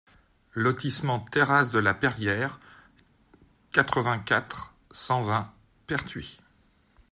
Lotissement Terrasses de la Peyriere, quatre-vingt-quatre, cent vingt Pertuis